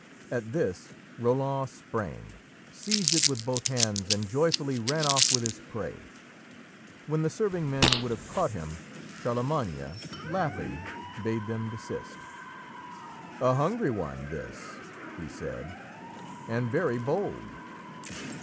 At this Roland sprang, seized it with both hands, and joyfully ran off with his prey. When the serving men would have caught him, Charlemagne, laughing, bade them desist. "A hungry one this," he said, "and very bold."